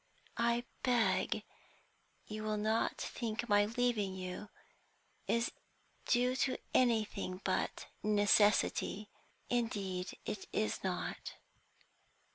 I beg you will not think my leaving you is due to anything but necessity indeed it is not.